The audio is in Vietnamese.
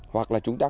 hoặc là chúng ta